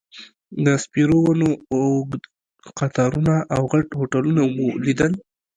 د سپیرو ونو اوږد قطارونه او غټ هوټلونه مو لیدل.